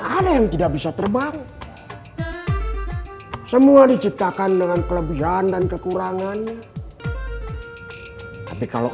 ada yang tidak bisa terbang semua diciptakan dengan kelebihan dan kekurangan tapi kalau